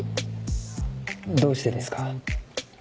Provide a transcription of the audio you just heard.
どうしてですか？